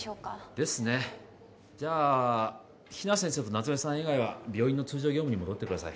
ですねじゃあ比奈先生と夏梅さん以外は病院の通常業務に戻ってください